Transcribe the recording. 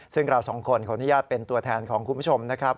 ซึ่งเราสองคนขออนุญาตเป็นตัวแทนของคุณผู้ชมนะครับ